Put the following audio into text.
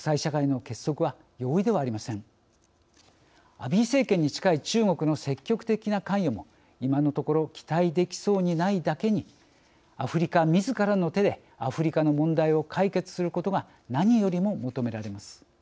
アビー政権に近い中国の積極的な関与も今のところ期待できそうにないだけにアフリカみずからの手でアフリカの問題を解決することが何よりも求められます。